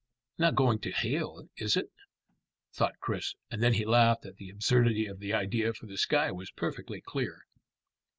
"Not going to hail, is it?" thought Chris; and then he laughed at the absurdity of the idea, for the sky was perfectly clear.